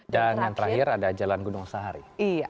dan yang terakhir ada jalan gunung sahari